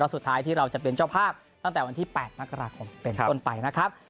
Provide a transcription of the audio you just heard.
สุดท้ายที่เราจะเป็นเจ้าภาพตั้งแต่วันที่๘มกราคมเป็นต้นไปนะครับ